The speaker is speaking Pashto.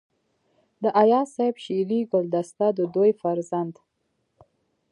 د اياز صيب شعري ګلدسته دَ دوي فرزند